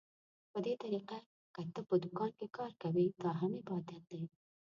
په دې طريقه که ته په دوکان کې کار کوې، دا هم عبادت دى.